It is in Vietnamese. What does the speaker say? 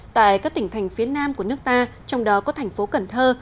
tại các tỉnh thành phía nam của nước ta trong đó có thành phố cần thơ